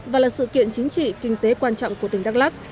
và là sự kiện chính trị kinh tế quan trọng của tỉnh đắk lắc